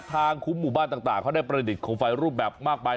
คุ้มหมู่บ้านต่างเขาได้ประดิษฐโคมไฟรูปแบบมากมาย